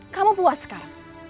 kamu puas gak